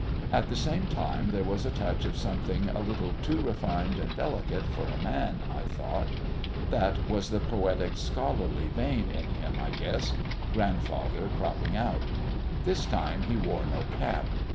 At the same time there was a touch of something a little too refined and delicate for a man, I thought. That was the poetic, scholarly vein in him, I guess grandfather cropping out. This time he wore no cap.